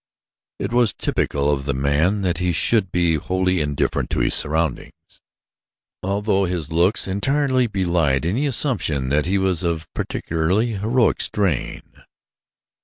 It was typical of the man that he should be wholly indifferent to his surroundings, although his looks entirely belied any assumption that he was of particularly heroic strain.